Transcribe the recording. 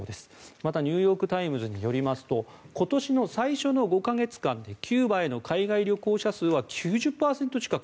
また、ニューヨーク・タイムズによりますと今年の最初の５か月間でキューバへの海外旅行者数は９０％近く。